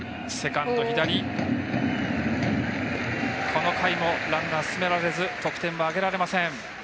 この回もランナー、進められず得点は挙げられません。